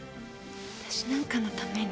あたしなんかのために。